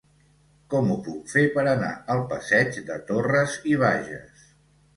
Com ho puc fer per anar al passeig de Torras i Bages?